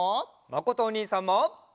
まことおにいさんも。